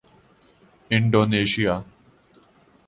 Indonesia